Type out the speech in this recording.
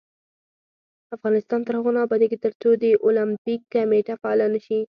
افغانستان تر هغو نه ابادیږي، ترڅو د اولمپیک کمیټه فعاله نشي.